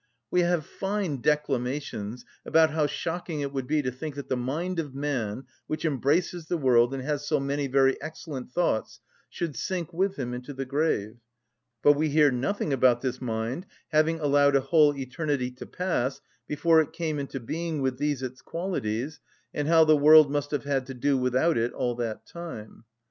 We have fine declamations about how shocking it would be to think that the mind of man, which embraces the world, and has so many very excellent thoughts, should sink with him into the grave; but we hear nothing about this mind having allowed a whole eternity to pass before it came into being with these its qualities, and how the world must have had to do without it all that time.